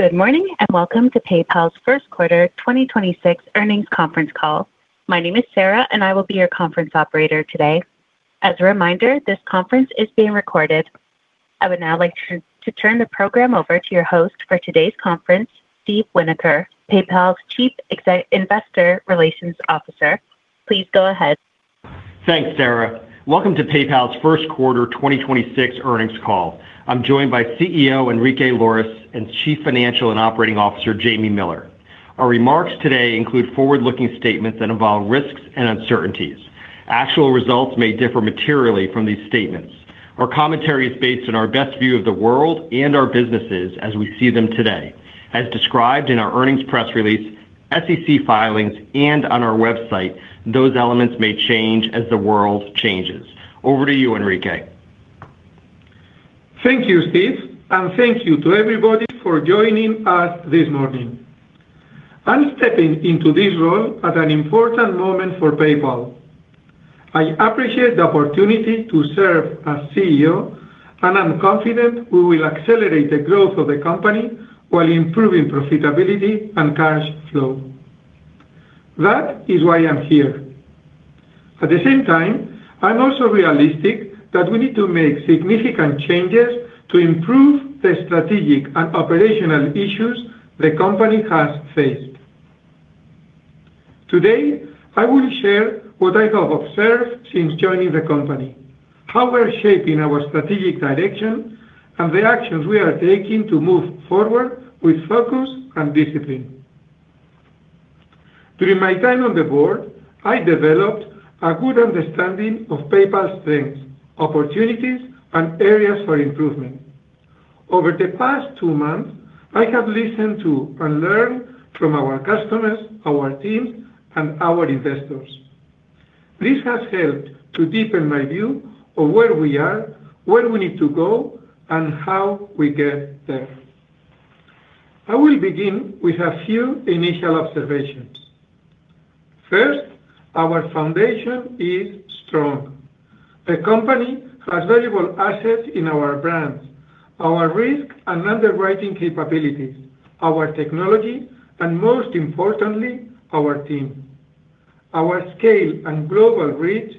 Good morning, and welcome to PayPal's first quarter 2026 earnings conference call. My name is Sarah, and I will be your conference operator today. As a reminder, this conference is being recorded. I would now like to turn the program over to your host for today's conference, Steve Winoker, PayPal's Chief Investor Relations Officer. Please go ahead. Thanks, Sarah. Welcome to PayPal's 1st quarter 2026 earnings call. I'm joined by CEO Enrique Lores and Chief Financial and Operating Officer Jamie Miller. Our remarks today include forward-looking statements that involve risks and uncertainties. Actual results may differ materially from these statements. Our commentary is based on our best view of the world and our businesses as we see them today. As described in our earnings press release, SEC filings, and on our website, those elements may change as the world changes. Over to you, Enrique. Thank you, Steve, and thank you to everybody for joining us this morning. I'm stepping into this role at an important moment for PayPal. I appreciate the opportunity to serve as CEO, and I'm confident we will accelerate the growth of the company while improving profitability and cash flow. That is why I'm here. At the same time, I'm also realistic that we need to make significant changes to improve the strategic and operational issues the company has faced. Today, I will share what I have observed since joining the company, how we're shaping our strategic direction, and the actions we are taking to move forward with focus and discipline. During my time on the board, I developed a good understanding of PayPal's strengths, opportunities, and areas for improvement. Over the past two months, I have listened to and learned from our customers, our teams, and our investors. This has helped to deepen my view of where we are, where we need to go, and how we get there. I will begin with a few initial observations. First, our foundation is strong. The company has valuable assets in our brands, our risk and underwriting capabilities, our technology, and most importantly, our team. Our scale and global reach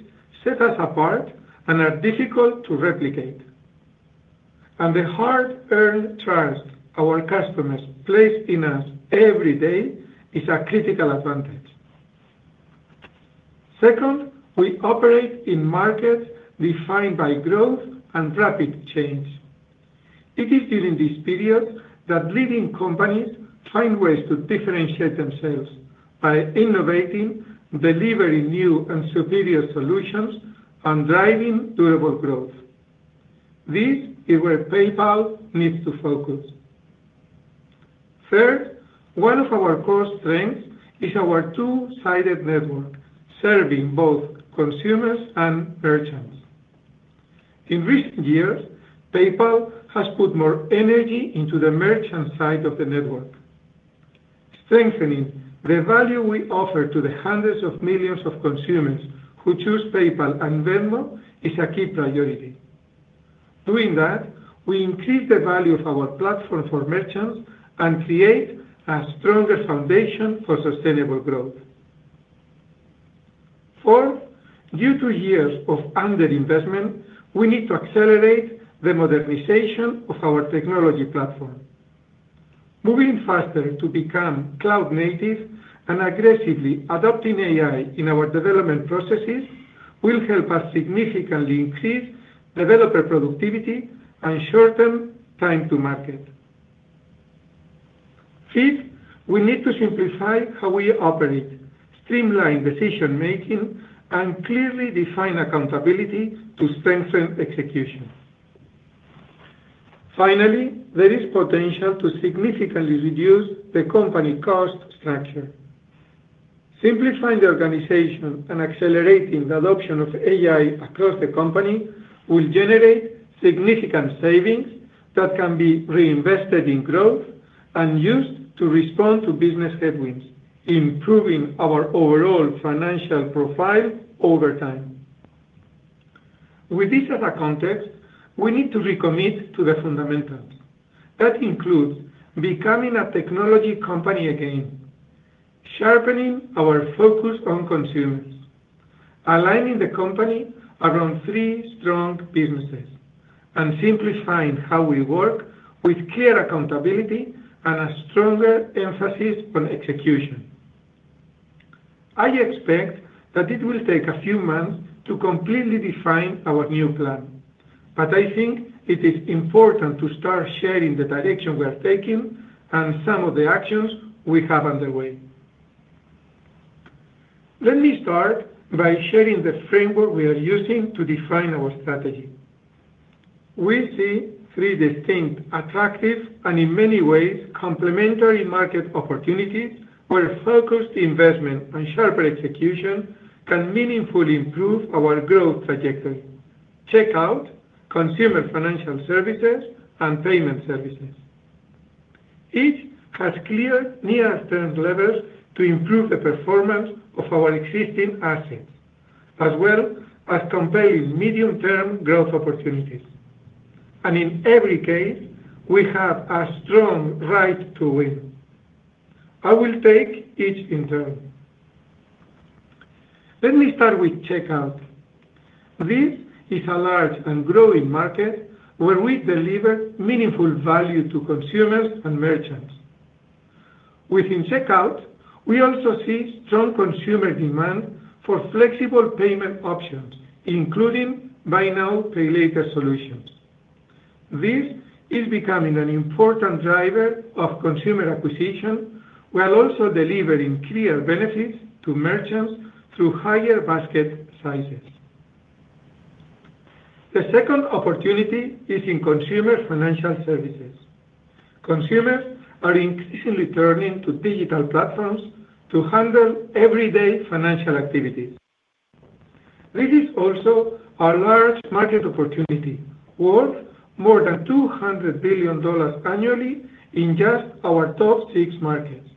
set us apart and are difficult to replicate. The hard-earned trust our customers place in us every day is a critical advantage. Second, we operate in markets defined by growth and rapid change. It is during this period that leading companies find ways to differentiate themselves by innovating, delivering new and superior solutions, and driving durable growth. This is where PayPal needs to focus. Third, one of our core strengths is our two-sided network, serving both consumers and merchants. In recent years, PayPal has put more energy into the merchant side of the network. Strengthening the value we offer to the hundreds of millions of consumers who choose PayPal and Venmo is a key priority. Doing that, we increase the value of our platform for merchants and create a stronger foundation for sustainable growth. Fourth, due to years of underinvestment, we need to accelerate the modernization of our technology platform. Moving faster to become cloud native and aggressively adopting AI in our development processes will help us significantly increase developer productivity and shorten time to market. Fifth, we need to simplify how we operate, streamline decision-making, and clearly define accountability to strengthen execution. Finally, there is potential to significantly reduce the company cost structure. Simplifying the organization and accelerating the adoption of AI across the company will generate significant savings that can be reinvested in growth and used to respond to business headwinds, improving our overall financial profile over time. With this as a context, we need to recommit to the fundamentals. That includes becoming a technology company again, sharpening our focus on consumers, aligning the company around three strong businesses, and simplifying how we work with clear accountability and a stronger emphasis on execution. I expect that it will take a few months to completely define our new plan, but I think it is important to start sharing the direction we are taking and some of the actions we have underway. Let me start by sharing the framework we are using to define our strategy. We see three distinct, attractive, and in many ways complementary market opportunities where focused investment and sharper execution can meaningfully improve our growth trajectory: checkout, consumer financial services, and payment services. Each has clear near-term levers to improve the performance of our existing assets, as well as compares medium-term growth opportunities. In every case, we have a strong right to win. I will take each in turn. Let me start with checkout. This is a large and growing market where we deliver meaningful value to consumers and merchants. Within checkout, we also see strong consumer demand for flexible payment options, including buy now, pay later solutions. This is becoming an important driver of consumer acquisition, while also delivering clear benefits to merchants through higher basket sizes. The second opportunity is in consumer financial services. Consumers are increasingly turning to digital platforms to handle everyday financial activities. This is also a large market opportunity, worth more than $200 billion annually in just our top six markets,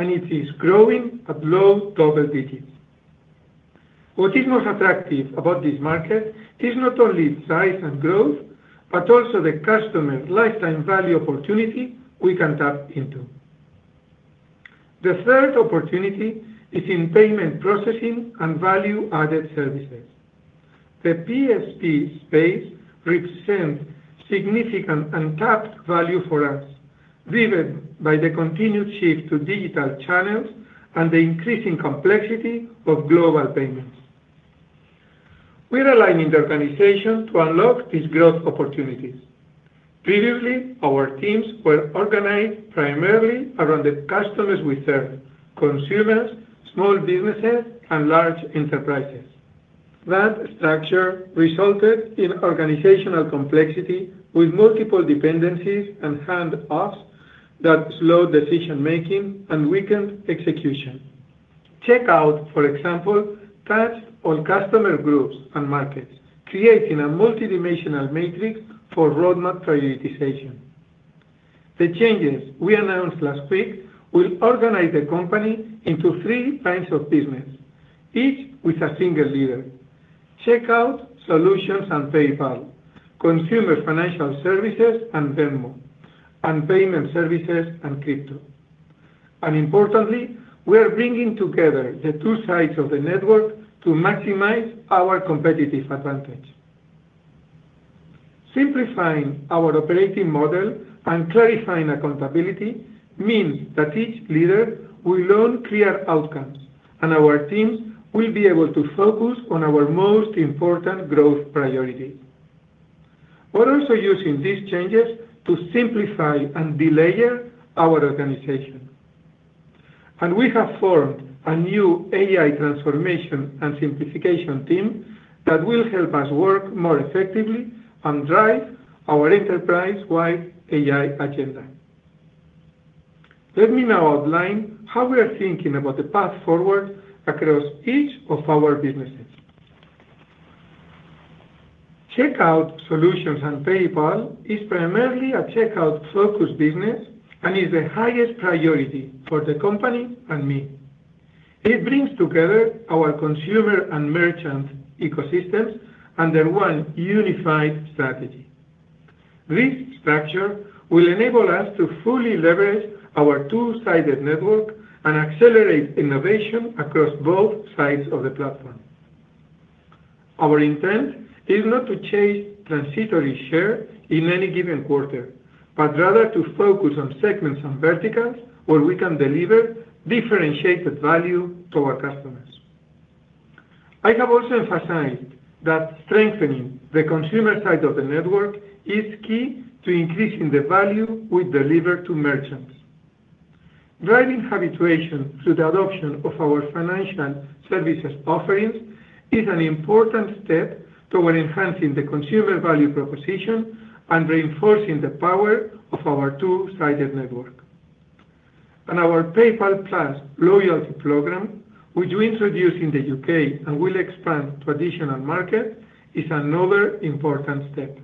and it is growing at low double digits. What is most attractive about this market is not only its size and growth, but also the customer lifetime value opportunity we can tap into. The third opportunity is in payment processing and value-added services. The PSP space represents significant untapped value for us, driven by the continued shift to digital channels and the increasing complexity of global payments. We're aligning the organization to unlock these growth opportunities. Previously, our teams were organized primarily around the customers we serve: consumers, small businesses, and large enterprises. That structure resulted in organizational complexity with multiple dependencies and handoffs that slowed decision-making and weakened execution. Checkout, for example, touched all customer groups and markets, creating a multidimensional matrix for roadmap prioritization. The changes we announced last week will organize the company into three lines of business, each with a single leader. Checkout solutions and PayPal, consumer financial services and Venmo, and payment services and crypto. Importantly, we are bringing together the two sides of the network to maximize our competitive advantage. Simplifying our operating model and clarifying accountability means that each leader will own clear outcomes, and our teams will be able to focus on our most important growth priorities. We're also using these changes to simplify and delayer our organization. We have formed a new AI transformation and simplification team that will help us work more effectively and drive our enterprise-wide AI agenda. Let me now outline how we are thinking about the path forward across each of our businesses. Checkout solutions, PayPal is primarily a checkout-focused business and is the highest priority for the company and me. It brings together our consumer and merchant ecosystems under one unified strategy. This structure will enable us to fully leverage our two-sided network and accelerate innovation across both sides of the platform. Our intent is not to chase transitory share in any given quarter, but rather to focus on segments and verticals where we can deliver differentiated value to our customers. I have also emphasized that strengthening the consumer side of the network is key to increasing the value we deliver to merchants. Driving habituation through the adoption of our financial services offerings is an important step toward enhancing the consumer value proposition and reinforcing the power of our two-sided network. Our PayPal+ loyalty program, which we introduced in the U.K. and will expand to additional markets, is another important step.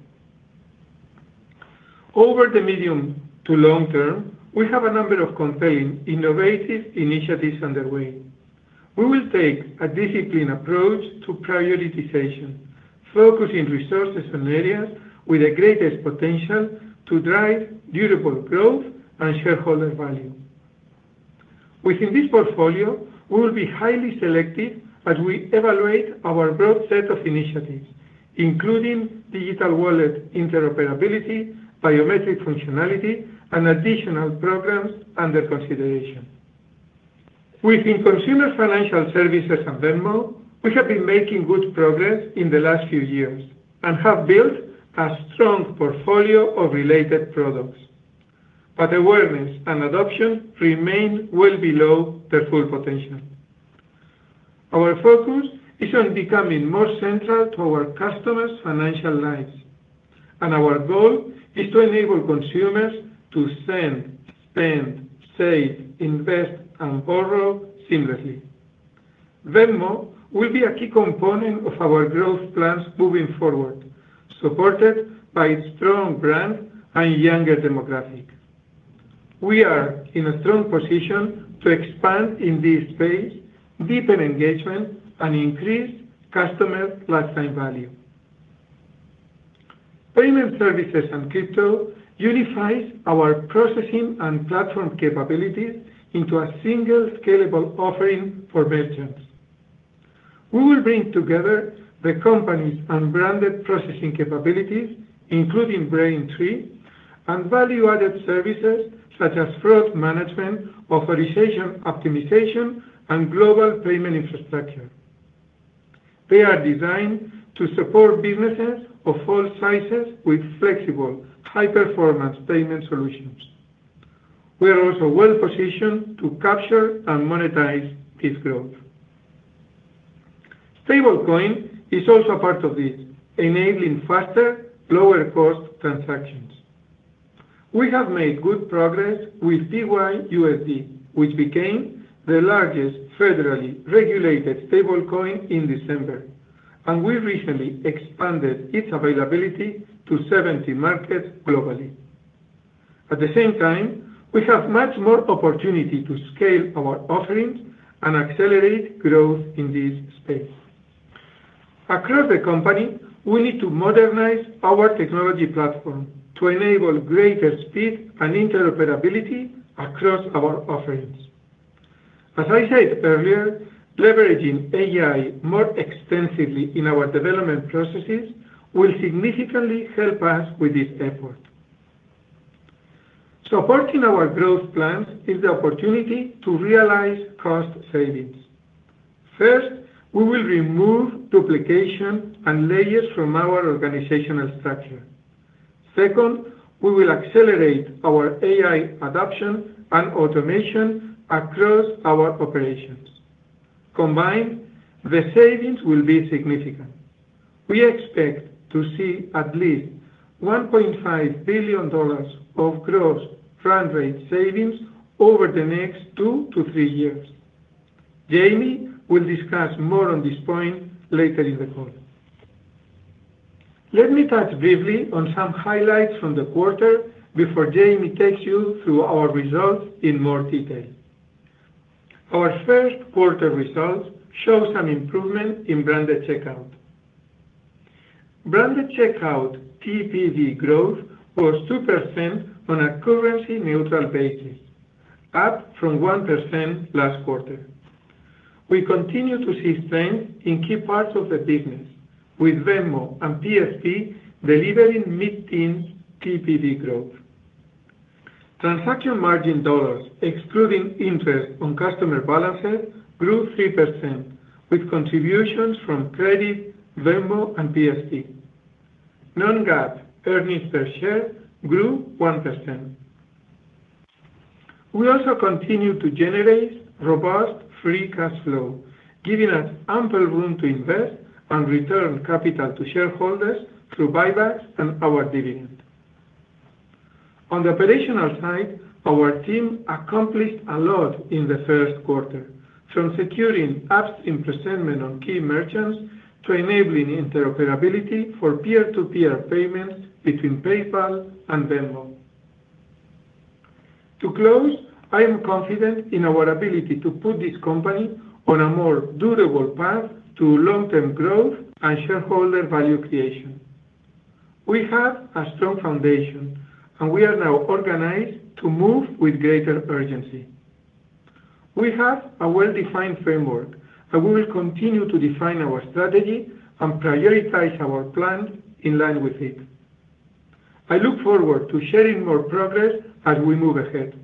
Over the medium to long term, we have a number of compelling innovative initiatives underway. We will take a disciplined approach to prioritization, focusing resources on areas with the greatest potential to drive durable growth and shareholder value. Within this portfolio, we will be highly selective as we evaluate our broad set of initiatives, including digital wallet interoperability, biometric functionality, and additional programs under consideration. Within Consumer Financial Services and Venmo, we have been making good progress in the last few years and have built a strong portfolio of related products. Awareness and adoption remain well below their full potential. Our focus is on becoming more central to our customers' financial lives, and our goal is to enable consumers to send, spend, save, invest, and borrow seamlessly. Venmo will be a key component of our growth plans moving forward, supported by its strong brand and younger demographic. We are in a strong position to expand in this space, deepen engagement, and increase customer lifetime value. Payment services and crypto unifies our processing and platform capabilities into a single scalable offering for merchants. We will bring together the company's unbranded processing capabilities, including Braintree, and value-added services such as fraud management, authorization optimization, and global payment infrastructure. They are designed to support businesses of all sizes with flexible, high-performance payment solutions. We are also well positioned to capture and monetize this growth. Stablecoin is also part of this, enabling faster, lower cost transactions. We have made good progress with PYUSD, which became the largest federally regulated stablecoin in December, and we recently expanded its availability to 70 markets globally. At the same time, we have much more opportunity to scale our offerings and accelerate growth in this space. Across the company, we need to modernize our technology platform to enable greater speed and interoperability across our offerings. As I said earlier, leveraging AI more extensively in our development processes will significantly help us with this effort. Supporting our growth plans is the opportunity to realize cost savings. First, we will remove duplication and layers from our organizational structure. Second, we will accelerate our AI adoption and automation across our operations. Combined, the savings will be significant. We expect to see at least $1.5 billion of gross run rate savings over the next two to three years. Jamie will discuss more on this point later in the call. Let me touch briefly on some highlights from the quarter before Jamie takes you through our results in more detail. Our first quarter results show some improvement in branded checkout. Branded checkout TPV growth was 2% on a currency neutral basis, up from 1% last quarter. We continue to see strength in key parts of the business, with Venmo and PSP delivering mid-teens TPV growth. Transaction margin dollars, excluding interest on customer balances, grew 3%, with contributions from credit, Venmo, and PSP. Non-GAAP earnings per share grew 1%. We also continue to generate robust free cash flow, giving us ample room to invest and return capital to shareholders through buybacks and our dividend. On the operational side, our team accomplished a lot in the first quarter. From securing apps in presentment on key merchants to enabling interoperability for peer-to-peer payments between PayPal and Venmo. To close, I am confident in our ability to put this company on a more durable path to long-term growth and shareholder value creation. We have a strong foundation, and we are now organized to move with greater urgency. We have a well-defined framework, and we will continue to define our strategy and prioritize our plans in line with it. I look forward to sharing more progress as we move ahead.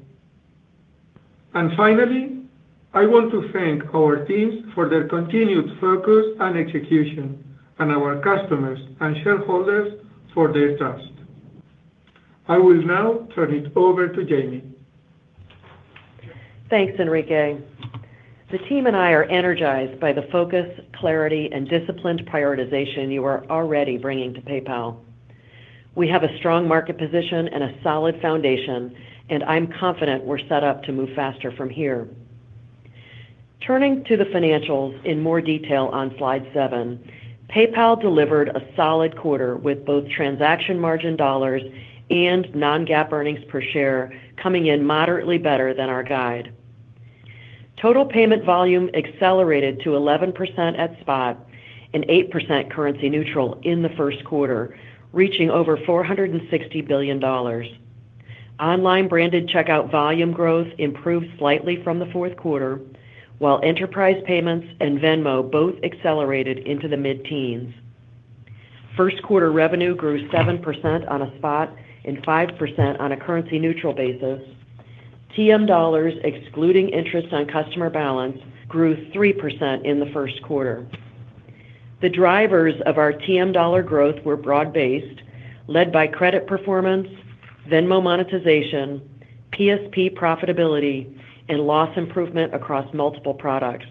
Finally, I want to thank our teams for their continued focus and execution, and our customers and shareholders for their trust. I will now turn it over to Jamie. Thanks, Enrique. The team and I are energized by the focus, clarity, and disciplined prioritization you are already bringing to PayPal. We have a strong market position and a solid foundation, and I'm confident we're set up to move faster from here. Turning to the financials in more detail on slide seven, PayPal delivered a solid quarter with both transaction margin dollars and non-GAAP earnings per share coming in moderately better than our guide. Total payment volume accelerated to 11% at spot and 8% currency neutral in the first quarter, reaching over $460 billion. Online branded checkout volume growth improved slightly from the fourth quarter, while enterprise payments and Venmo both accelerated into the mid-teens. First quarter revenue grew 7% on a spot and 5% on a currency neutral basis. TM dollars, excluding interest on customer balance, grew 3% in the first quarter. The drivers of our TM dollar growth were broad-based, led by credit performance, Venmo monetization, PSP profitability, and loss improvement across multiple products.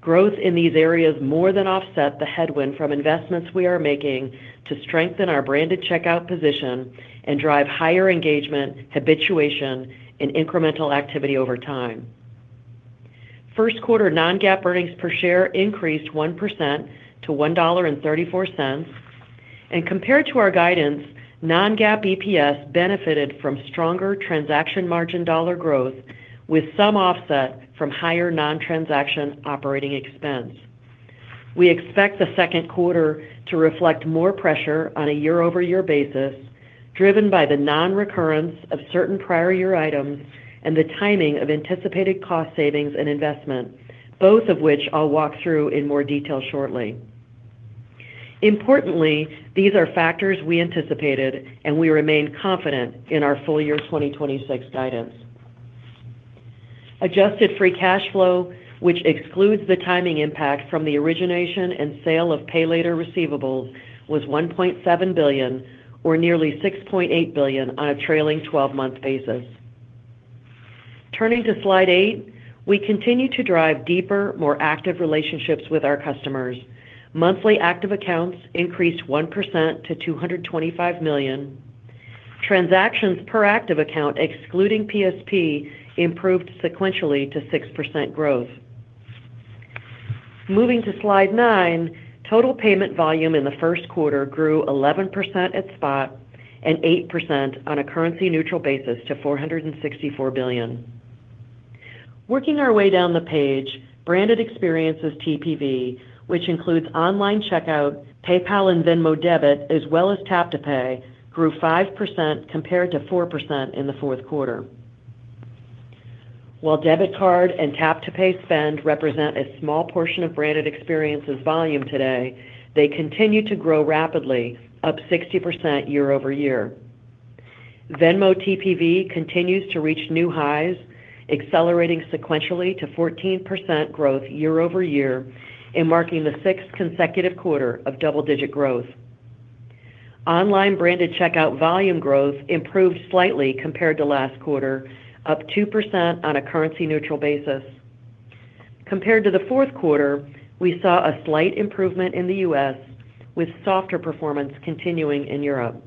Growth in these areas more than offset the headwind from investments we are making to strengthen our branded checkout position and drive higher engagement, habituation, and incremental activity over time. First quarter non-GAAP earnings per share increased 1% to $1.34. Compared to our guidance, non-GAAP EPS benefited from stronger transaction margin dollar growth with some offset from higher non-transaction operating expense. We expect the second quarter to reflect more pressure on a year-over-year basis, driven by the non-recurrence of certain prior year items and the timing of anticipated cost savings and investment, both of which I'll walk through in more detail shortly. Importantly, these are factors we anticipated, and we remain confident in our full year 2026 guidance. Adjusted free cash flow, which excludes the timing impact from the origination and sale of pay later receivables, was $1.7 billion or nearly $6.8 billion on a trailing twelve-month basis. Turning to slide eight, we continue to drive deeper, more active relationships with our customers. Monthly active accounts increased 1% to $225 million. Transactions per active account, excluding PSP, improved sequentially to 6% growth. Moving to slide nine, total payment volume in the first quarter grew 11% at spot and 8% on a currency neutral basis to $464 billion. Working our way down the page, branded experiences TPV, which includes online checkout, PayPal and Venmo debit, as well as tap-to-pay, grew 5% compared to 4% in the fourth quarter. Debit card and tap-to-pay spend represent a small portion of branded experiences volume today, they continue to grow rapidly, up 60% year-over-year. Venmo TPV continues to reach new highs, accelerating sequentially to 14% growth year-over-year and marking the sixth consecutive quarter of double-digit growth. Online branded checkout volume growth improved slightly compared to last quarter, up 2% on a currency neutral basis. Compared to the fourth quarter, we saw a slight improvement in the U.S., with softer performance continuing in Europe.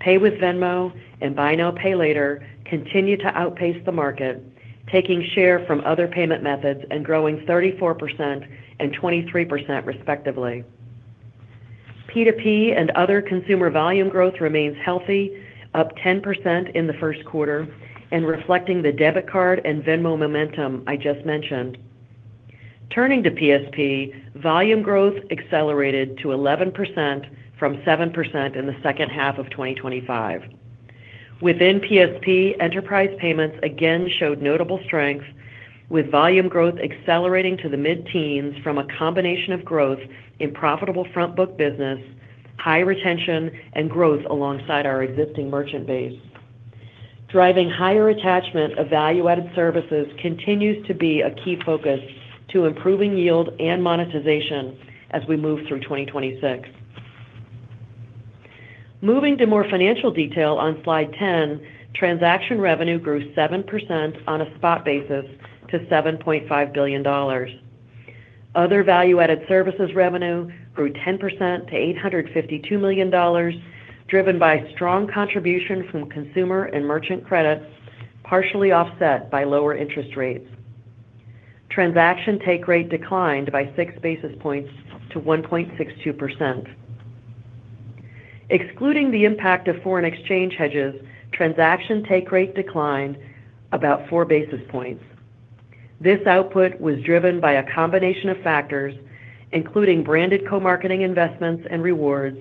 Pay with Venmo and buy now, pay later continue to outpace the market, taking share from other payment methods and growing 34% and 23% respectively. P2P and other consumer volume growth remains healthy, up 10% in the first quarter and reflecting the debit card and Venmo momentum I just mentioned. Turning to PSP, volume growth accelerated to 11% from 7% in the second half of 2025. Within PSP, enterprise payments again showed notable strength with volume growth accelerating to the mid-teens from a combination of growth in profitable front book business, high retention, and growth alongside our existing merchant base. Driving higher attachment of value-added services continues to be a key focus to improving yield and monetization as we move through 2026. Moving to more financial detail on slide 10, transaction revenue grew 7% on a spot basis to $7.5 billion. Other value-added services revenue grew 10% to $852 million, driven by strong contribution from consumer and merchant credit, partially offset by lower interest rates. Transaction take rate declined by 6 basis points to 1.62%. Excluding the impact of foreign exchange hedges, transaction take rate declined about 4 basis points. This output was driven by a combination of factors, including branded co-marketing investments and rewards,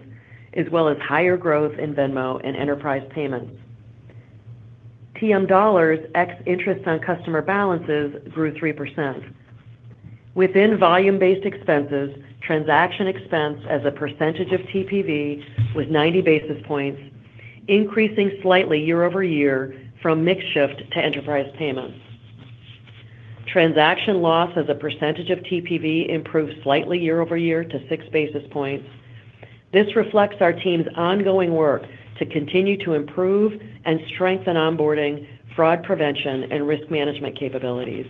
as well as higher growth in Venmo and enterprise payments. TM dollars ex interest on customer balances grew 3%. Within volume-based expenses, transaction expense as a percentage of TPV was 90 basis points, increasing slightly year-over-year from mix shift to enterprise payments. Transaction loss as a percentage of TPV improved slightly year-over-year to 6 basis points. This reflects our team's ongoing work to continue to improve and strengthen onboarding, fraud prevention, and risk management capabilities.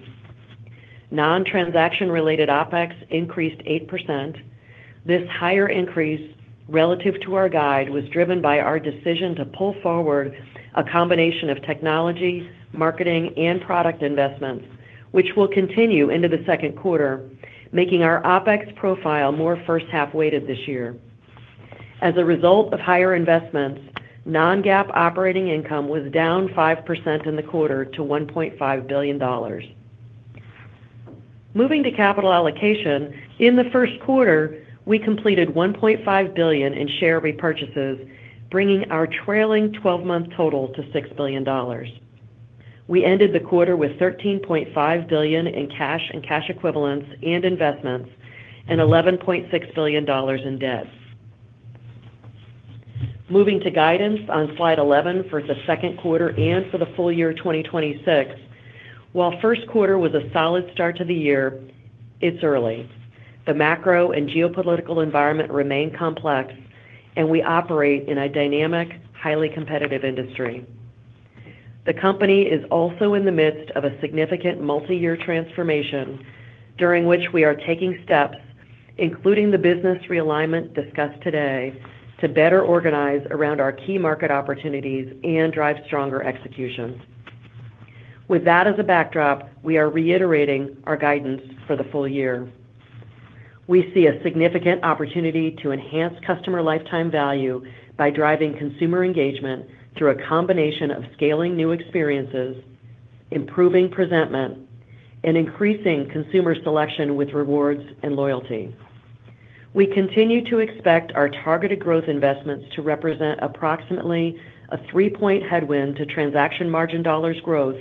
Non-transaction related OpEx increased 8%. This higher increase relative to our guide was driven by our decision to pull forward a combination of technology, marketing, and product investments, which will continue into the second quarter, making our OpEx profile more first half weighted this year. As a result of higher investments, non-GAAP operating income was down 5% in the quarter to $1.5 billion. Moving to capital allocation. In the first quarter, we completed $1.5 billion in share repurchases, bringing our trailing 12-month total to $6 billion. We ended the quarter with $13.5 billion in cash and cash equivalents and investments, and $11.6 billion in debt. Moving to guidance on slide 11 for the second quarter and for the full year 2026. While first quarter was a solid start to the year, it's early. The macro and geopolitical environment remain complex, and we operate in a dynamic, highly competitive industry. The company is also in the midst of a significant multi-year transformation during which we are taking steps, including the business realignment discussed today to better organize around our key market opportunities and drive stronger execution. With that as a backdrop, we are reiterating our guidance for the full year. We see a significant opportunity to enhance customer lifetime value by driving consumer engagement through a combination of scaling new experiences, improving presentment, and increasing consumer selection with rewards and loyalty. We continue to expect our targeted growth investments to represent approximately a three-point headwind to transaction margin dollars growth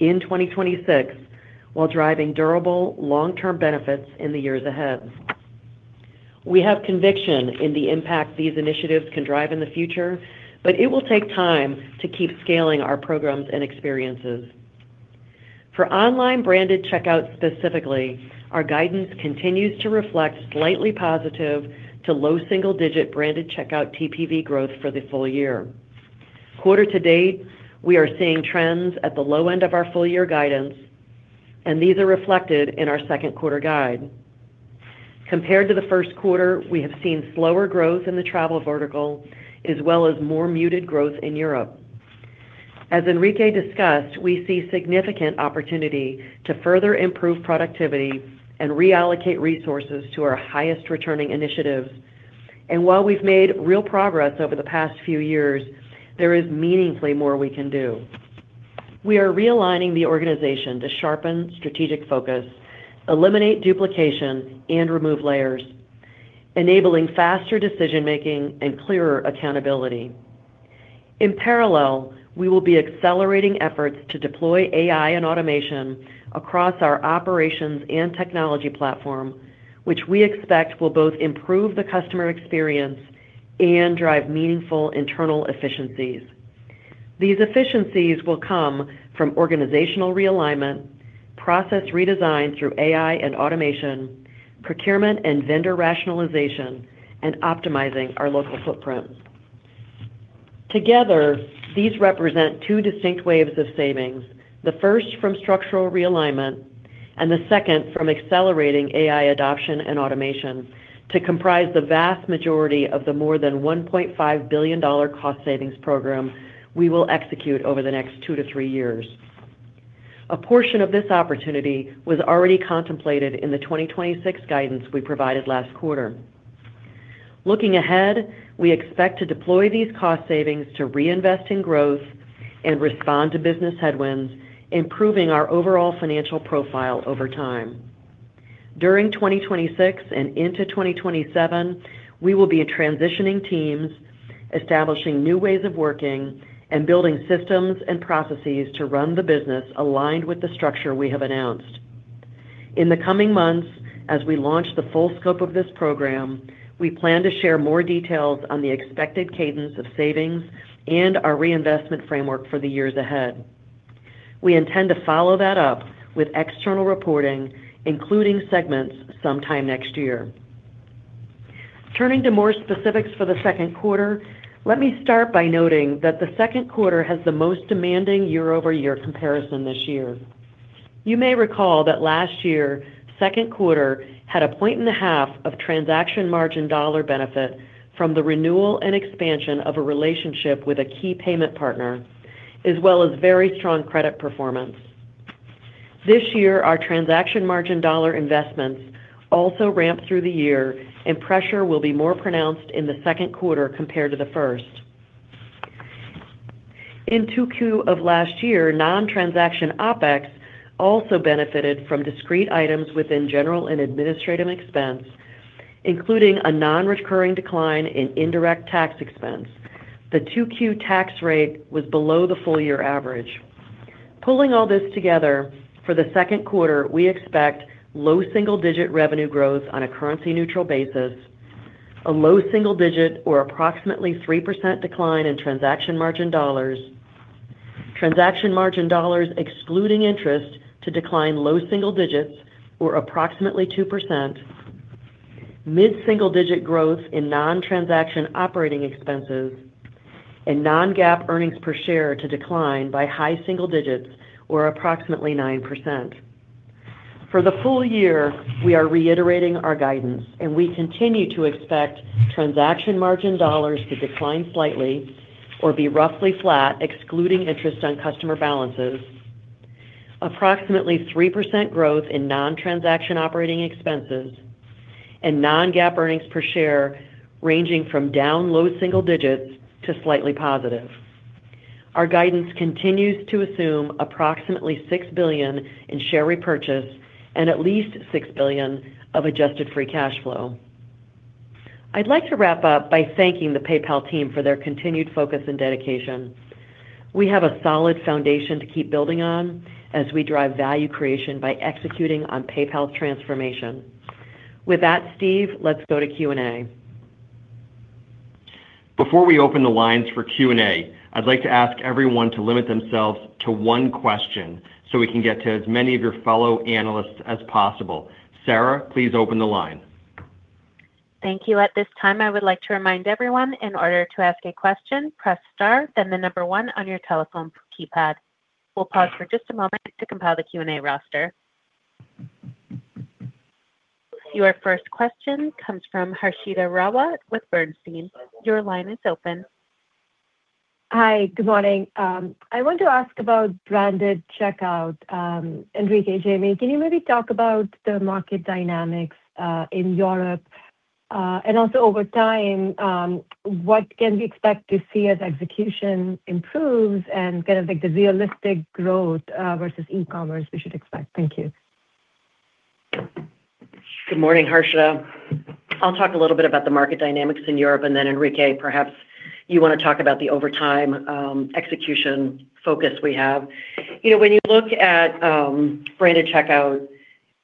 in 2026, while driving durable long-term benefits in the years ahead. We have conviction in the impact these initiatives can drive in the future, but it will take time to keep scaling our programs and experiences. For online branded checkout specifically, our guidance continues to reflect slightly positive to low single-digit branded checkout TPV growth for the full year. Quarter-to-date, we are seeing trends at the low end of our full year guidance, and these are reflected in our second quarter guide. Compared to the first quarter, we have seen slower growth in the travel vertical, as well as more muted growth in Europe. As Enrique discussed, we see significant opportunity to further improve productivity and reallocate resources to our highest returning initiatives. While we've made real progress over the past few years, there is meaningfully more we can do. We are realigning the organization to sharpen strategic focus, eliminate duplication, and remove layers, enabling faster decision-making and clearer accountability. In parallel, we will be accelerating efforts to deploy AI and automation across our operations and technology platform, which we expect will both improve the customer experience and drive meaningful internal efficiencies. These efficiencies will come from organizational realignment, process redesign through AI and automation, procurement and vendor rationalization, and optimizing our local footprint. Together, these represent two distinct waves of savings, the first from structural realignment, and the second from accelerating AI adoption and automation to comprise the vast majority of the more than $1.5 billion cost savings program we will execute over the next two to three years. A portion of this opportunity was already contemplated in the 2026 guidance we provided last quarter. Looking ahead, we expect to deploy these cost savings to reinvest in growth and respond to business headwinds, improving our overall financial profile over time. During 2026 and into 2027, we will be transitioning teams, establishing new ways of working, and building systems and processes to run the business aligned with the structure we have announced. In the coming months, as we launch the full scope of this program, we plan to share more details on the expected cadence of savings and our reinvestment framework for the years ahead. We intend to follow that up with external reporting, including segments sometime next year. Turning to more specifics for the second quarter, let me start by noting that the second quarter has the most demanding year-over-year comparison this year. You may recall that last year, second quarter had a point and a half of transaction margin dollar benefit from the renewal and expansion of a relationship with a key payment partner, as well as very strong credit performance. This year, our transaction margin dollar investments also ramp through the year, and pressure will be more pronounced in the second quarter compared to the first. In 2Q of last year, non-transaction OpEx also benefited from discrete items within general and administrative expense, including a non-recurring decline in indirect tax expense. The 2Q tax rate was below the full-year average. Pulling all this together, for the second quarter, we expect low single-digit revenue growth on a currency-neutral basis, a low single-digit or approximately 3% decline in transaction margin dollars, transaction margin dollars excluding interest to decline low single digits or approximately 2%, mid-single-digit growth in non-transaction OpEx, and non-GAAP EPS to decline by high single digits or approximately 9%. For the full year, we are reiterating our guidance. We continue to expect transaction margin dollars to decline slightly or be roughly flat, excluding interest on customer balances, approximately 3% growth in non-transaction operating expenses, and non-GAAP EPS ranging from down low single digits to slightly positive. Our guidance continues to assume approximately $6 billion in share repurchase and at least $6 billion of adjusted free cash flow. I'd like to wrap up by thanking the PayPal team for their continued focus and dedication. We have a solid foundation to keep building on as we drive value creation by executing on PayPal's transformation. With that, Steve, let's go to Q&A. Before we open the lines for Q&A, I'd like to ask everyone to limit themselves to one question so we can get to as many of your fellow analysts as possible. Sarah, please open the line. Thank you. At this time, I would like to remind everyone, in order to ask a question, press star then the number one on your telephone keypad. We'll pause for just a moment to compile the Q&A roster. Your first question comes from Harshita Rawat with Bernstein. Your line is open. Hi, good morning. I want to ask about branded checkout. Enrique, Jamie, can you maybe talk about the market dynamics in Europe? Also over time, what can we expect to see as execution improves and kind of like the realistic growth versus e-commerce we should expect? Thank you. Good morning, Harshita. I'll talk a little bit about the market dynamics in Europe, and then Enrique, perhaps you want to talk about the overtime execution focus we have. You know, when you look at branded checkout,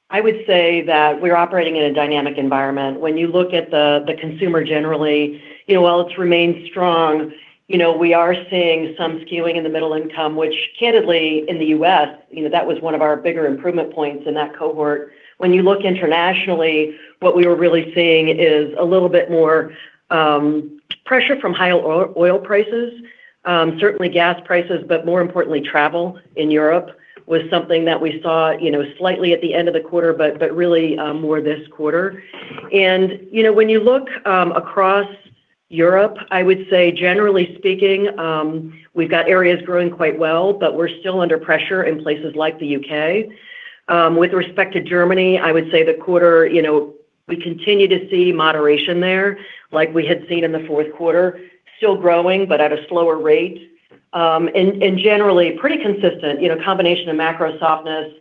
I would say that we're operating in a dynamic environment. When you look at the consumer generally, you know, while it's remained strong, you know, we are seeing some skewing in the middle income, which candidly in the U.S., you know, that was one of our bigger improvement points in that cohort. When you look internationally, what we were really seeing is a little bit more pressure from high oil prices. Certainly gas prices, but more importantly, travel in Europe was something that we saw, you know, slightly at the end of the quarter, but really more this quarter. You know, when you look across Europe, I would say generally speaking, we've got areas growing quite well, but we're still under pressure in places like the U.K. With respect to Germany, I would say the quarter, you know, we continue to see moderation there like we had seen in the fourth quarter. Still growing, but at a slower rate. And generally pretty consistent, you know, combination of macro softness,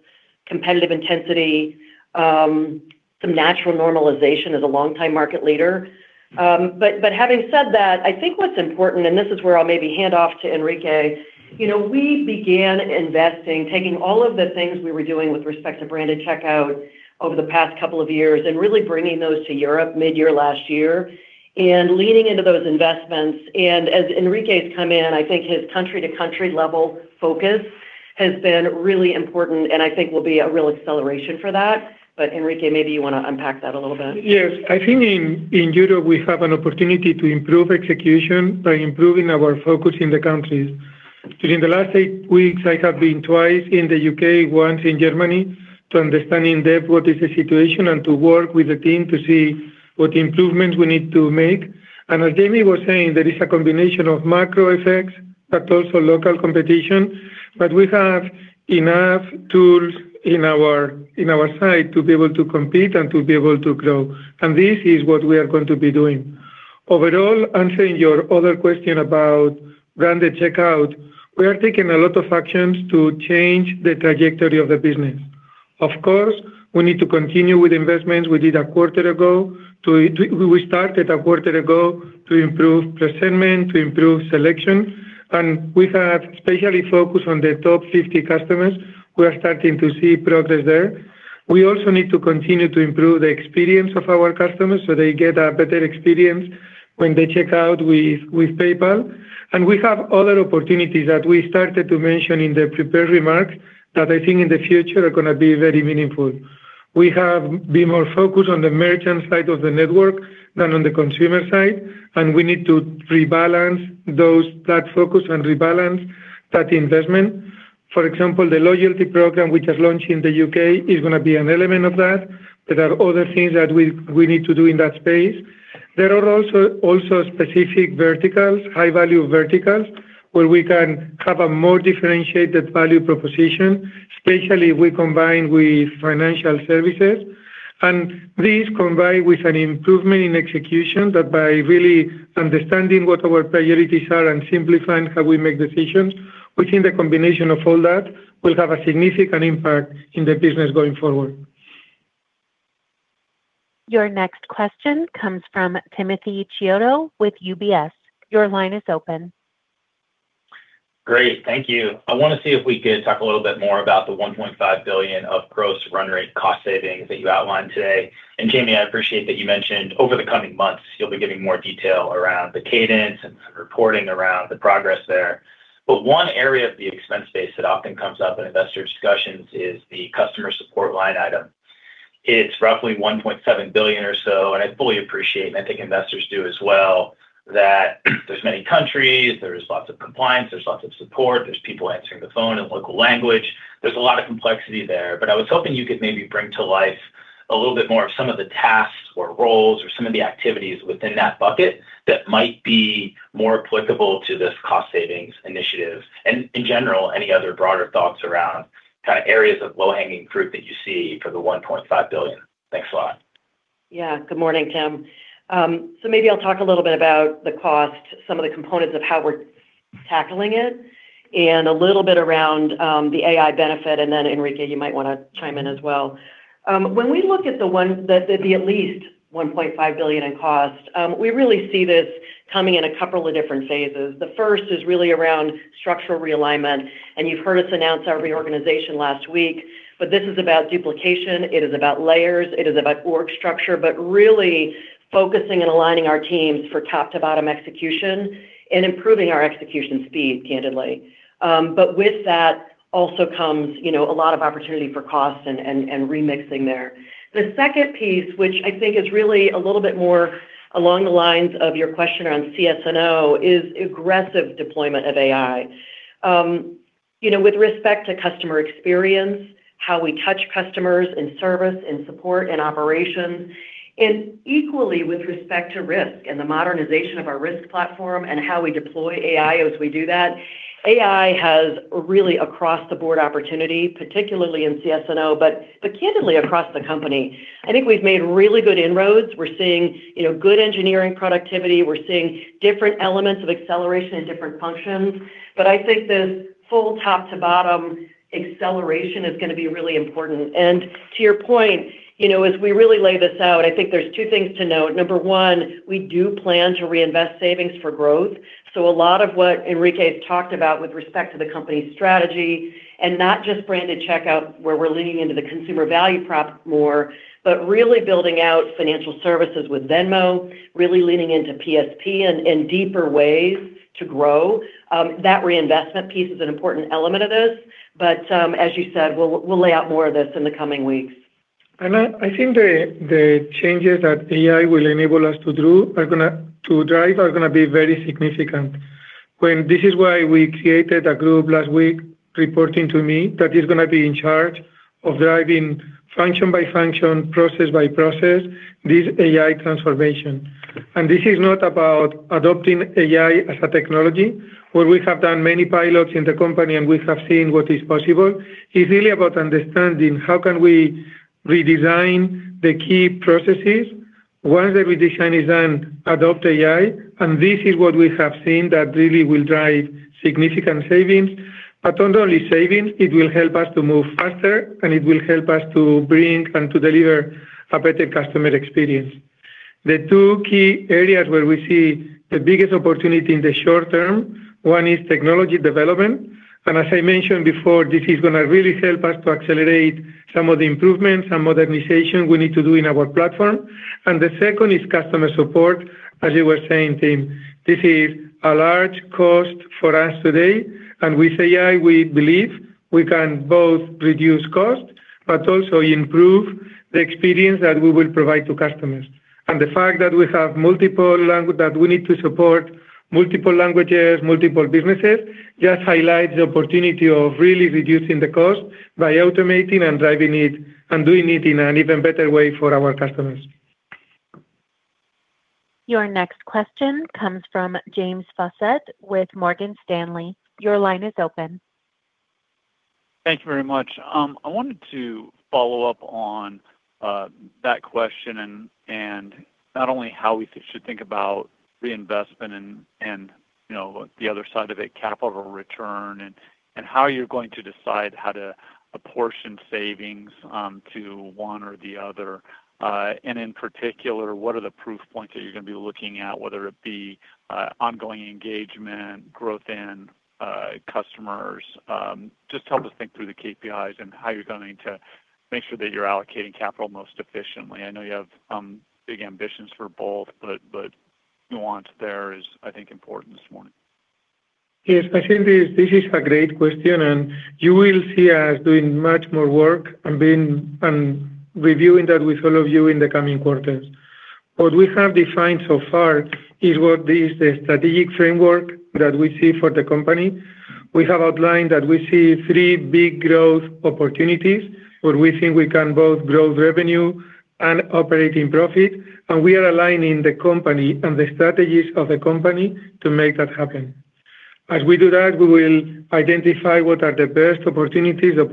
competitive intensity, some natural normalization as a longtime market leader. But having said that, I think what's important, and this is where I'll maybe hand off to Enrique, you know, we began investing, taking all of the things we were doing with respect to branded checkout over the past couple of years and really bringing those to Europe mid-year last year and leaning into those investments. As Enrique's come in, I think his country-to-country level focus has been really important and I think will be a real acceleration for that. Enrique, maybe you wanna unpack that a little bit. Yes. I think in Europe we have an opportunity to improve execution by improving our focus in the countries. During the last eight weeks, I have been twice in the U.K., once in Germany, to understand in depth what is the situation and to work with the team to see what improvements we need to make. As Jamie was saying, there is a combination of macro effects, but also local competition. We have enough tools in our side to be able to compete and to be able to grow, and this is what we are going to be doing. Overall, answering your other question about branded checkout, we are taking a lot of actions to change the trajectory of the business. Of course, we need to continue with investments we did a quarter ago we started a quarter ago to improve presentation, to improve selection. We have especially focused on the top 50 customers. We are starting to see progress there. We also need to continue to improve the experience of our customers so they get a better experience when they check out with PayPal. We have other opportunities that we started to mention in the prepared remarks that I think in the future are gonna be very meaningful. We have been more focused on the merchant side of the network than on the consumer side, and we need to rebalance that focus and rebalance that investment. For example, the loyalty program we just launched in the U.K. is gonna be an element of that. There are other things that we need to do in that space. There are also specific verticals, high-value verticals where we can have a more differentiated value proposition, especially we combine with financial services. This combined with an improvement in execution that by really understanding what our priorities are and simplifying how we make decisions, we think the combination of all that will have a significant impact in the business going forward. Your next question comes from Timothy Chiodo with UBS. Your line is open. Great, thank you. I want to see if we could talk a little bit more about the $1.5 billion of gross run rate cost savings that you outlined today. Jamie, I appreciate that you mentioned over the coming months you'll be giving more detail around the cadence and sort of reporting around the progress there. One area of the expense base that often comes up in investor discussions is the customer support line item. It's roughly $1.7 billion or so, and I fully appreciate, and I think investors do as well, that there's many countries, there's lots of compliance, there's lots of support, there's people answering the phone in local language. There's a lot of complexity there. I was hoping you could maybe bring to life a little bit more of some of the tasks or roles or some of the activities within that bucket that might be more applicable to this cost savings initiative. In general, any other broader thoughts around kind of areas of low-hanging fruit that you see for the $1.5 billion? Thanks a lot. Yeah. Good morning, Tim. Maybe I'll talk a little bit about the cost, some of the components of how we're tackling it, and a little bit around the AI benefit, and then Enrique, you might wanna chime in as well. When we look at the at least $1.5 billion in cost, we really see this coming in a couple of different phases. The first is really around structural realignment, and you've heard us announce our reorganization last week. This is about duplication, it is about layers, it is about org structure. Really focusing and aligning our teams for top to bottom execution and improving our execution speed, candidly. With that also comes, you know, a lot of opportunity for costs and remixing there. The second piece, which I think is really a little bit more along the lines of your question around CS&O, is aggressive deployment of AI. You know, with respect to customer experience, how we touch customers in service and support and operations, and equally with respect to risk and the modernization of our risk platform and how we deploy AI as we do that. AI has really across the board opportunity, particularly in CS&O, but candidly across the company. I think we've made really good inroads. We're seeing, you know, good engineering productivity. We're seeing different elements of acceleration in different functions. I think the full top to bottom acceleration is gonna be really important. To your point, you know, as we really lay this out, I think there's two things to note. Number one, we do plan to reinvest savings for growth. A lot of what Enrique talked about with respect to the company's strategy, and not just branded checkout where we're leaning into the consumer value prop more, but really building out financial services with Venmo, really leaning into PSP in deeper ways to grow. That reinvestment piece is an important element of this. As you said, we'll lay out more of this in the coming weeks. I think the changes that AI will enable us to do to drive are gonna be very significant. This is why we created a group last week reporting to me that is gonna be in charge of driving function by function, process by process, this AI transformation. This is not about adopting AI as a technology, where we have done many pilots in the company and we have seen what is possible. It's really about understanding how can we redesign the key processes. Once the redesign is done, adopt AI, and this is what we have seen that really will drive significant savings. Not only savings, it will help us to move faster, and it will help us to bring and to deliver a better customer experience. The two key areas where we see the biggest opportunity in the short term, one is technology development. As I mentioned before, this is going to really help us to accelerate some of the improvements, some modernization we need to do in our platform. The second is customer support. As you were saying, Tim, this is a large cost for us today. With AI, we believe we can both reduce cost, but also improve the experience that we will provide to customers. The fact that we have multiple languages that we need to support multiple languages, multiple businesses, just highlights the opportunity of really reducing the cost by automating and driving it and doing it in an even better way for our customers. Your next question comes from James Faucette with Morgan Stanley. Your line is open. Thank you very much. I wanted to follow up on that question and not only how we should think about reinvestment and, you know, the other side of it, capital return, and how you're going to decide how to apportion savings to one or the other. In particular, what are the proof points that you're gonna be looking at, whether it be ongoing engagement, growth in customers. Just help us think through the KPIs and how you're going to make sure that you're allocating capital most efficiently. I know you have big ambitions for both, but nuance there is, I think, important this morning. Yes, I think this is a great question, and you will see us doing much more work and reviewing that with all of you in the coming quarters. What we have defined so far is what is the strategic framework that we see for the company. We have outlined that we see three big growth opportunities where we think we can both grow revenue and operating profit, and we are aligning the company and the strategies of the company to make that happen. As we do that, we will identify what are the best opportunities that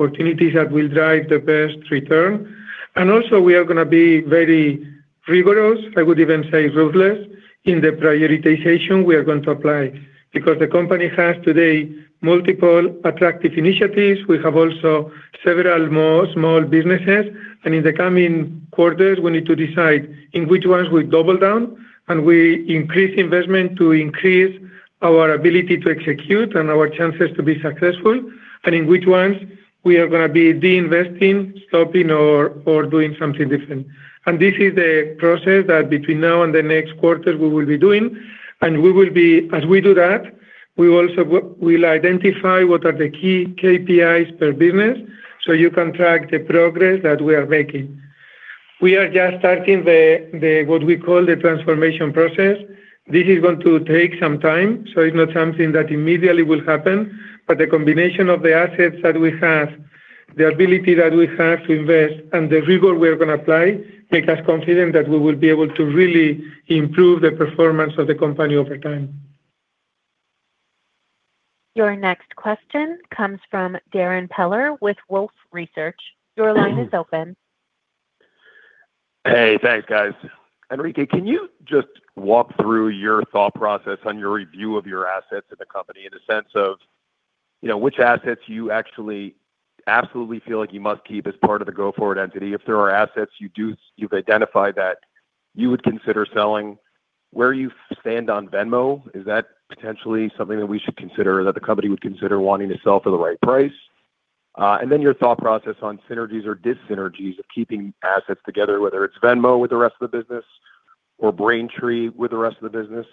will drive the best return. Also, we are going to be very rigorous, I would even say ruthless, in the prioritization we are going to apply because the company has today multiple attractive initiatives. We have also several more small businesses. In the coming quarters, we need to decide in which ones we double down and we increase investment to increase our ability to execute and our chances to be successful, and in which ones we are going to be de-investing, stopping or doing something different. This is a process that between now and the next quarter we will be doing, as we do that, we also will identify what are the key KPIs per business so you can track the progress that we are making. We are just starting the what we call the transformation process. This is going to take some time, it's not something that immediately will happen. The combination of the assets that we have, the ability that we have to invest and the rigor we are gonna apply makes us confident that we will be able to really improve the performance of the company over time. Your next question comes from Darrin Peller with Wolfe Research. Your line is open. Hey, thanks, guys. Enrique, can you just walk through your thought process on your review of your assets in the company in the sense of, you know, which assets you actually absolutely feel like you must keep as part of the go-forward entity? If there are assets you've identified that you would consider selling, where you stand on Venmo, is that potentially something that we should consider, that the company would consider wanting to sell for the right price? And then your thought process on synergies or dis-synergies of keeping assets together, whether it's Venmo with the rest of the business or Braintree with the rest of the business.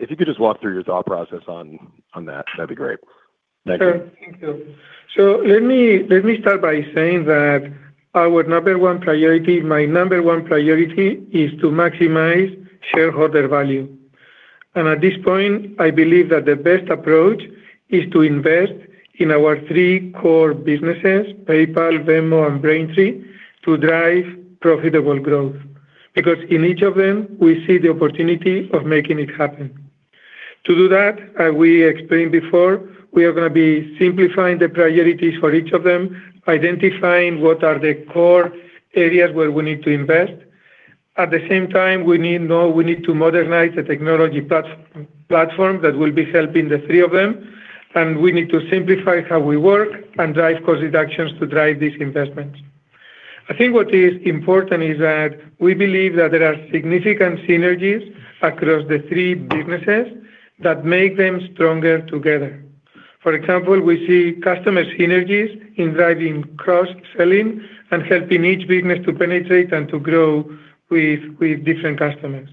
If you could just walk through your thought process on that'd be great. Thank you. Sure. Let me start by saying that our number one priority, my number one priority is to maximize shareholder value. At this point, I believe that the best approach is to invest in our three core businesses, PayPal, Venmo, and Braintree, to drive profitable growth. In each of them, we see the opportunity of making it happen. To do that, as we explained before, we are gonna be simplifying the priorities for each of them, identifying what are the core areas where we need to invest. At the same time, we need to modernize the technology platform that will be helping the three of them, and we need to simplify how we work and drive cost reductions to drive these investments. I think what is important is that we believe that there are significant synergies across the three businesses that make them stronger together. For example, we see customer synergies in driving cross-selling and helping each business to penetrate and to grow with different customers.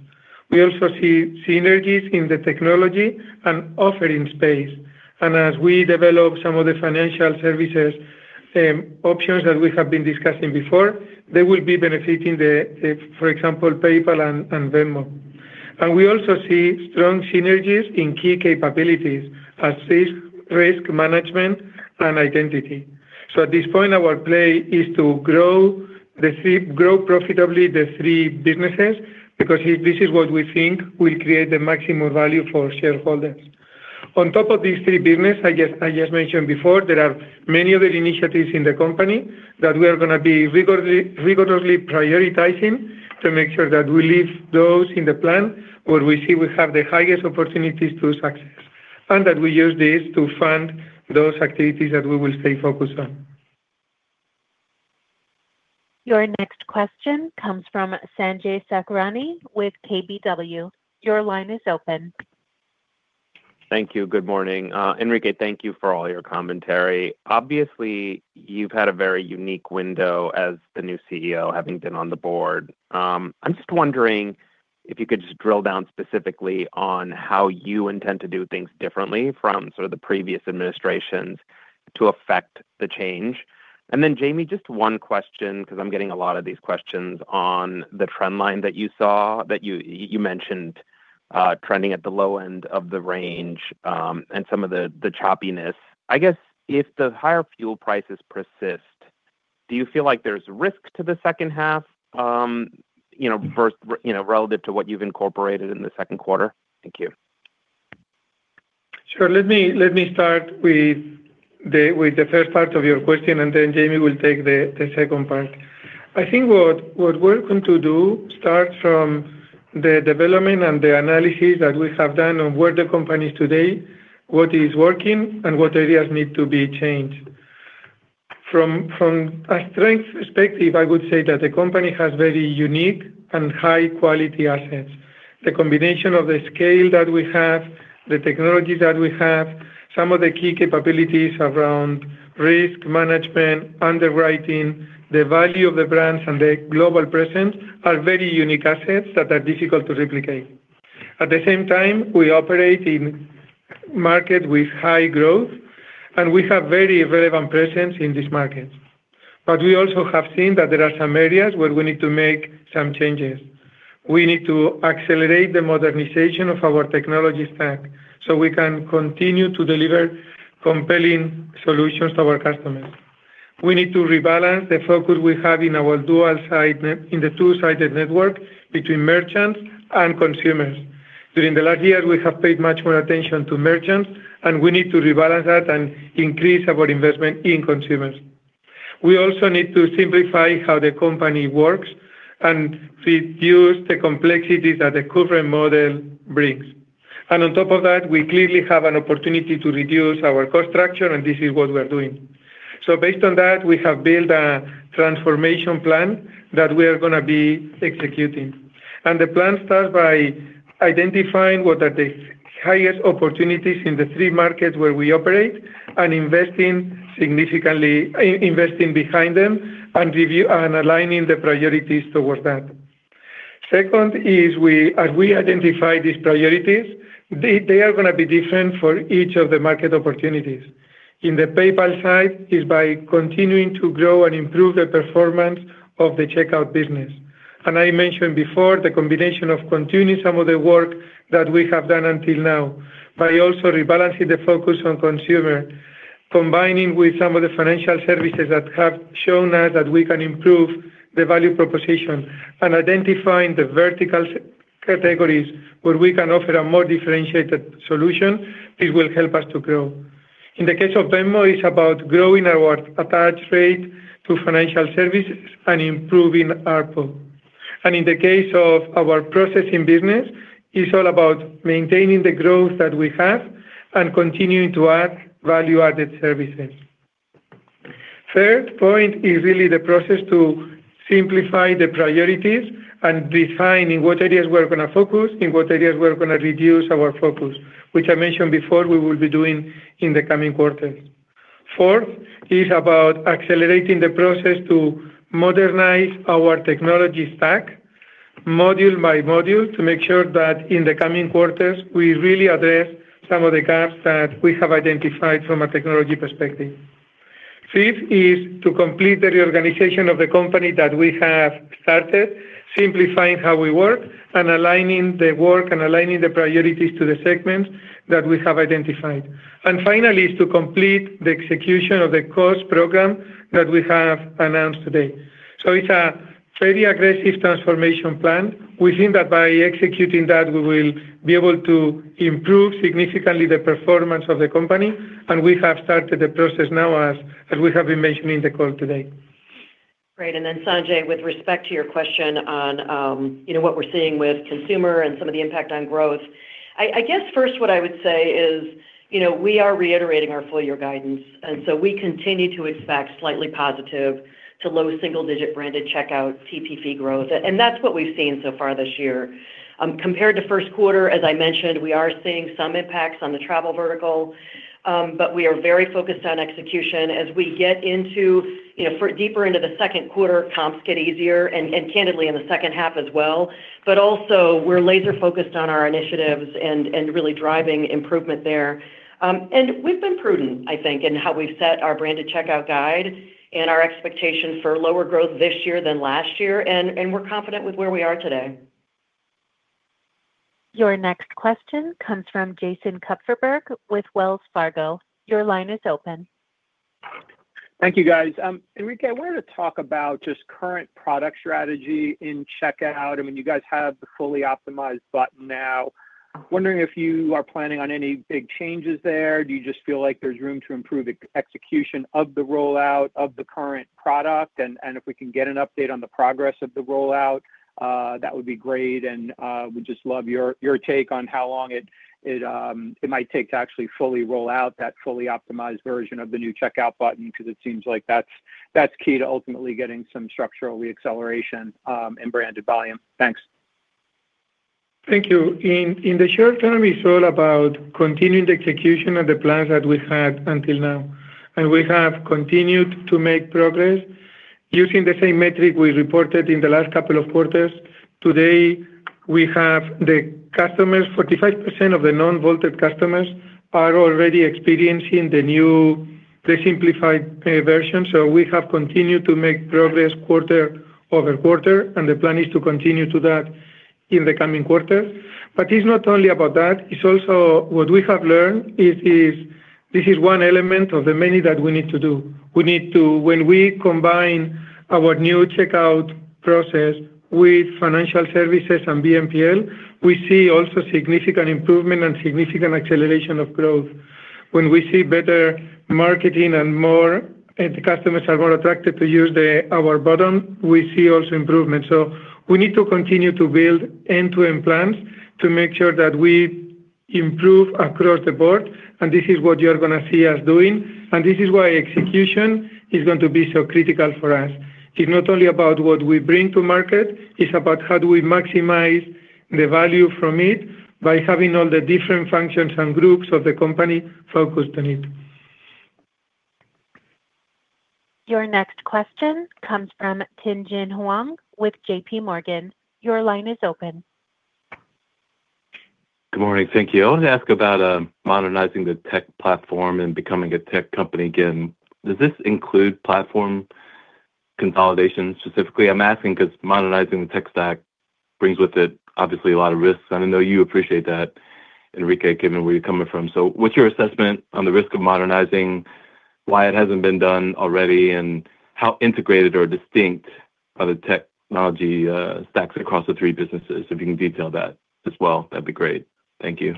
We also see synergies in the technology and offering space. As we develop some of the financial services options that we have been discussing before, they will be benefiting the, for example, PayPal and Venmo. We also see strong synergies in key capabilities as risk management and identity. At this point, our play is to grow profitably the three businesses, because this is what we think will create the maximum value for shareholders. On top of these three business, I just mentioned before, there are many other initiatives in the company that we are gonna be vigorously prioritizing to make sure that we leave those in the plan where we see we have the highest opportunities to success, and that we use this to fund those activities that we will stay focused on. Your next question comes from Sanjay Sakhrani with KBW. Your line is open. Thank you. Good morning. Enrique, thank you for all your commentary. Obviously, you've had a very unique window as the new CEO, having been on the board. I'm just wondering if you could just drill down specifically on how you intend to do things differently from sort of the previous administrations to affect the change. Jamie, just one question, 'cause I'm getting a lot of these questions on the trend line that you saw, that you mentioned, trending at the low end of the range, and some of the choppiness. I guess, if the higher fuel prices persist, do you feel like there's risk to the second half, you know, first, you know, relative to what you've incorporated in the second quarter? Thank you. Sure. Let me start with the first part of your question, and then Jamie will take the second part. I think what we're going to do starts from the development and the analysis that we have done on where the company is today, what is working, and what areas need to be changed. From a strength perspective, I would say that the company has very unique and high quality assets. The combination of the scale that we have, the technology that we have, some of the key capabilities around risk management, underwriting, the value of the brands, and the global presence are very unique assets that are difficult to replicate. The same time, we operate in market with high growth, and we have very relevant presence in these markets. We also have seen that there are some areas where we need to make some changes. We need to accelerate the modernization of our technology stack so we can continue to deliver compelling solutions to our customers. We need to rebalance the focus we have in our dual side in the two-sided network between merchants and consumers. During the last year, we have paid much more attention to merchants, and we need to rebalance that and increase our investment in consumers. We also need to simplify how the company works and reduce the complexities that the current model brings. On top of that, we clearly have an opportunity to reduce our cost structure, and this is what we are doing. Based on that, we have built a transformation plan that we are gonna be executing. The plan starts by identifying what are the highest opportunities in the three markets where we operate and investing significantly investing behind them and review and aligning the priorities towards that. Second is we, as we identify these priorities, they are gonna be different for each of the market opportunities. In the PayPal side, it's by continuing to grow and improve the performance of the checkout business. I mentioned before the combination of continuing some of the work that we have done until now, by also rebalancing the focus on consumer, combining with some of the financial services that have shown us that we can improve the value proposition and identifying the vertical categories where we can offer a more differentiated solution. This will help us to grow. In the case of Venmo, it's about growing our attach rate to financial services and improving ARPU. In the case of our processing business, it's all about maintaining the growth that we have and continuing to add value-added services. Third point is really the process to simplify the priorities and defining what areas we're going to focus, in what areas we're going to reduce our focus, which I mentioned before we will be doing in the coming quarters. Fourth is about accelerating the process to modernize our technology stack module by module to make sure that in the coming quarters, we really address some of the gaps that we have identified from a technology perspective. Fifth is to complete the reorganization of the company that we have started, simplifying how we work and aligning the work and aligning the priorities to the segments that we have identified. Finally is to complete the execution of the cost program that we have announced today. It's a very aggressive transformation plan. We think that by executing that, we will be able to improve significantly the performance of the company, and we have started the process now as we have been mentioning the call today. Great. Sanjay, with respect to your question on, you know, what we're seeing with consumer and some of the impact on growth, I guess first what I would say is, you know, we are reiterating our full year guidance. We continue to expect slightly positive to low single digit branded checkout TPV growth. That's what we've seen so far this year. Compared to first quarter, as I mentioned, we are seeing some impacts on the travel vertical. We are very focused on execution. As we get into, you know, deeper into the second quarter, comps get easier and candidly in the second half as well. Also we're laser focused on our initiatives and really driving improvement there. We've been prudent, I think, in how we've set our branded checkout guide and our expectation for lower growth this year than last year and we're confident with where we are today. Your next question comes from Jason Kupferberg with Wells Fargo. Thank you guys. Enrique, I wanted to talk about just current product strategy in checkout. I mean, you guys have the fully optimized button now. Wondering if you are planning on any big changes there? Do you just feel like there's room to improve execution of the rollout of the current product? If we can get an update on the progress of the rollout, that would be great. Would just love your take on how long it might take to actually fully roll out that fully optimized version of the new checkout button because it seems like that's key to ultimately getting some structural re-acceleration in branded volume. Thanks. Thank you. In the short term, it's all about continuing the execution of the plans that we had until now. We have continued to make progress using the same metric we reported in the last couple of quarters. Today, we have the customers, 45% of the non-vaulted customers are already experiencing the new, simplified version. We have continued to make progress quarter-over-quarter, and the plan is to continue to that in the coming quarter. It's not only about that, it's also what we have learned is this is one element of the many that we need to do. When we combine our new checkout process with financial services and BNPL, we see also significant improvement and significant acceleration of growth. When we see better marketing and more customers are more attracted to use our button, we see also improvement. We need to continue to build end-to-end plans to make sure that we improve across the board, and this is what you're gonna see us doing. This is why execution is going to be so critical for us. It's not only about what we bring to market, it's about how do we maximize the value from it by having all the different functions and groups of the company focused on it. Your next question comes from Tien-Tsin Huang with J.P. Morgan. Your line is open. Good morning. Thank you. I wanted to ask about modernizing the tech platform and becoming a tech company again. Does this include platform consolidation specifically? I'm asking 'cause modernizing the tech stack brings with it obviously a lot of risks, and I know you appreciate that, Enrique Lores, given where you're coming from. What's your assessment on the risk of modernizing? Why it hasn't been done already, and how integrated or distinct are the technology stacks across the three businesses? If you can detail that as well, that'd be great. Thank you.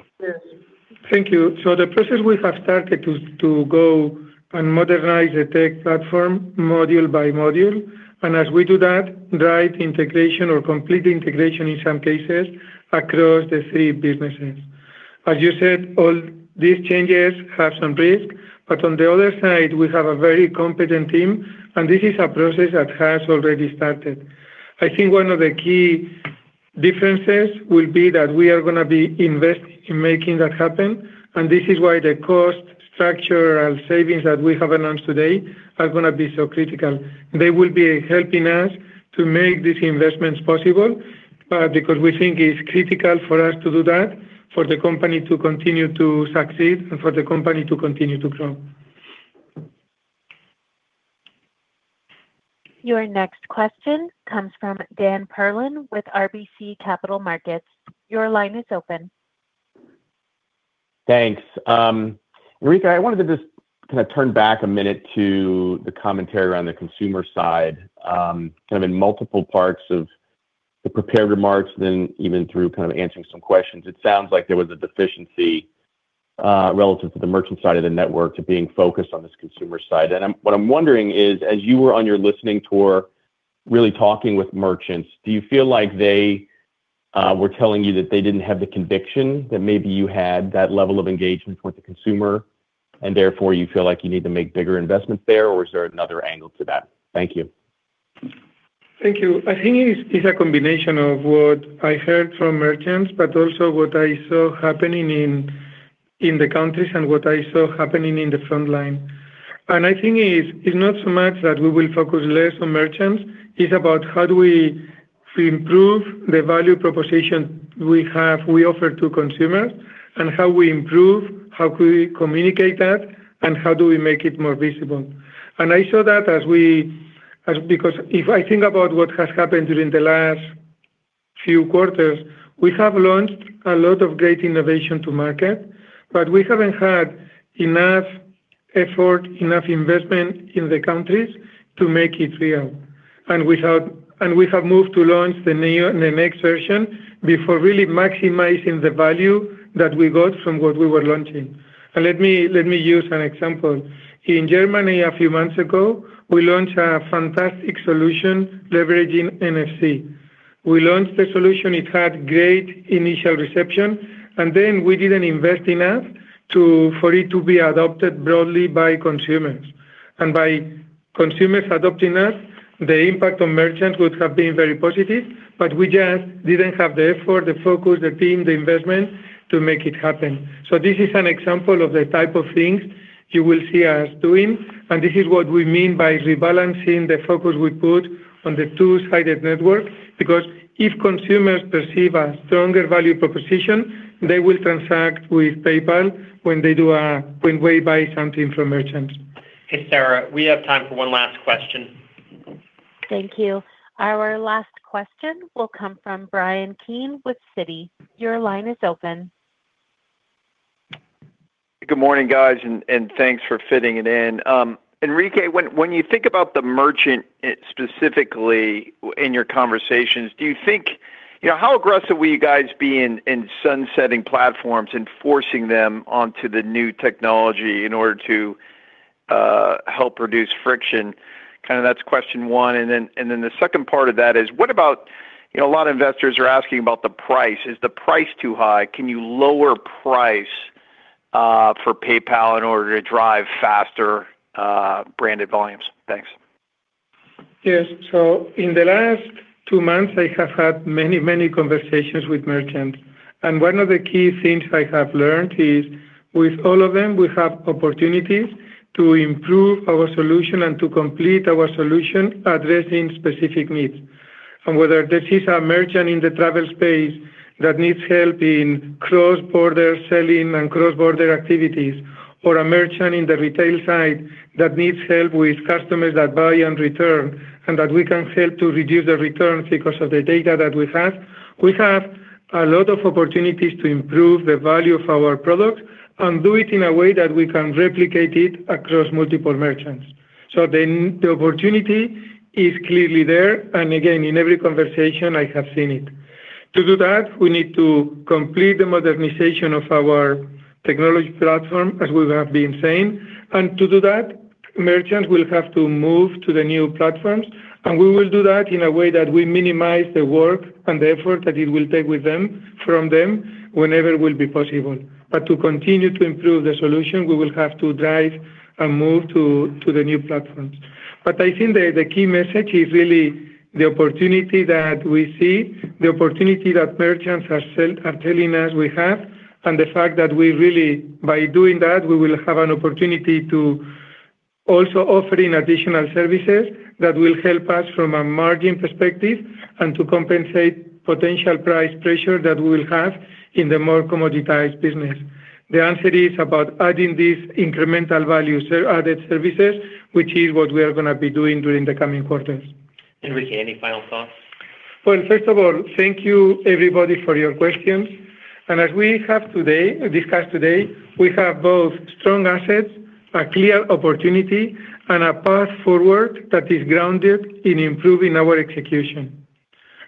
Thank you. The process we have started to go and modernize the tech platform module by module, and as we do that, drive integration or complete integration in some cases across the three businesses. As you said, all these changes have some risk, but on the other side, we have a very competent team, and this is a process that has already started. I think one of the key differences will be that we are gonna be investing in making that happen, and this is why the cost structure and savings that we have announced today are gonna be so critical. They will be helping us to make these investments possible, because we think it's critical for us to do that for the company to continue to succeed and for the company to continue to grow. Your next question comes from Dan Perlin with RBC Capital Markets. Your line is open. Thanks. Enrique, I wanted to just kind of turn back a minute to the commentary around the consumer side. Kind of in multiple parts of the prepared remarks, even through kind of answering some questions, it sounds like there was a deficiency relative to the merchant side of the network to being focused on this consumer side. What I'm wondering is, as you were on your listening tour really talking with merchants, do you feel like they were telling you that they didn't have the conviction that maybe you had that level of engagement with the consumer, and therefore you feel like you need to make bigger investments there, or is there another angle to that? Thank you. Thank you. I think it's a combination of what I heard from merchants, but also what I saw happening in the countries and what I saw happening in the front line. I think it's not so much that we will focus less on merchants. It's about to improve the value proposition we offer to consumers, how can we communicate that, how do we make it more visible. I saw that because if I think about what has happened during the last few quarters, we have launched a lot of great innovation to market, we haven't had enough effort, enough investment in the countries to make it real. We have moved to launch the new, the next version before really maximizing the value that we got from what we were launching. Let me use an example. In Germany a few months ago, we launched a fantastic solution leveraging NFC. We launched the solution, it had great initial reception, and then we didn't invest enough for it to be adopted broadly by consumers. By consumers adopting it, the impact on merchants would have been very positive, but we just didn't have the effort, the focus, the team, the investment to make it happen. This is an example of the type of things you will see us doing, and this is what we mean by rebalancing the focus we put on the two-sided network. If consumers perceive a stronger value proposition, they will transact with PayPal when we buy something from merchants. Hey, Sarah, we have time for one last question. Thank you. Our last question will come from Bryan Keane with Citi. Your line is open. Good morning, guys, and thanks for fitting it in. Enrique, when you think about the merchant, specifically in your conversations, do you think You know, how aggressive will you guys be in sunsetting platforms and forcing them onto the new technology in order to help reduce friction? Kinda that's question one. Then the second part of that is: What about, you know, a lot of investors are asking about the price. Is the price too high? Can you lower price for PayPal in order to drive faster branded volumes? Thanks. Yes. In the last two months, I have had many, many conversations with merchants, and one of the key things I have learned is, with all of them, we have opportunities to improve our solution and to complete our solution addressing specific needs. Whether this is a merchant in the travel space that needs help in cross-border selling and cross-border activities, or a merchant in the retail side that needs help with customers that buy and return, and that we can help to reduce the returns because of the data that we have. We have a lot of opportunities to improve the value of our products and do it in a way that we can replicate it across multiple merchants. The opportunity is clearly there, and again, in every conversation, I have seen it. To do that, we need to complete the modernization of our technology platform, as we have been saying. To do that, merchants will have to move to the new platforms, and we will do that in a way that we minimize the work and the effort that it will take with them, from them whenever will be possible. To continue to improve the solution, we will have to drive and move to the new platforms. I think the key message is really the opportunity that we see, the opportunity that merchants are telling us we have, and the fact that we really, by doing that, we will have an opportunity to also offering additional services that will help us from a margin perspective and to compensate potential price pressure that we will have in the more commoditized business. The answer is about adding these incremental value added services, which is what we are gonna be doing during the coming quarters. Enrique, any final thoughts? Well, first of all, thank you everybody for your questions. As we have today, discussed today, we have both strong assets, a clear opportunity, and a path forward that is grounded in improving our execution.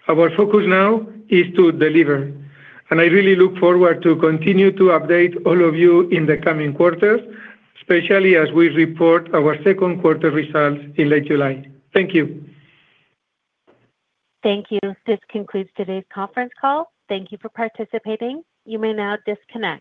Our focus now is to deliver, and I really look forward to continue to update all of you in the coming quarters, especially as we report our second quarter results in late July. Thank you. Thank you. This concludes today's conference call. Thank you for participating. You may now disconnect.